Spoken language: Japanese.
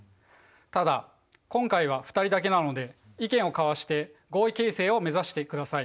ただ今回は２人だけなので意見を交わして合意形成を目指してください。